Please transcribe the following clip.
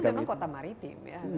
karena ini memang kota maritim ya